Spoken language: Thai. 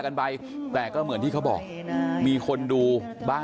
ก่อนที่จะก่อเหตุนี้นะฮะไปดูนะฮะ